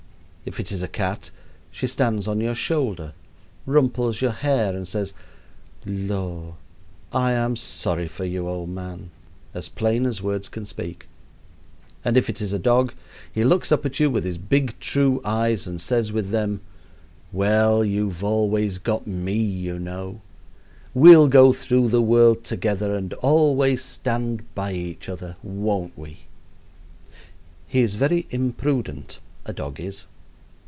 If it is a cat she stands on your shoulder, rumples your hair, and says, "Lor,' I am sorry for you, old man," as plain as words can speak; and if it is a dog he looks up at you with his big, true eyes and says with them, "Well you've always got me, you know. We'll go through the world together and always stand by each other, won't we?" He is very imprudent, a dog is.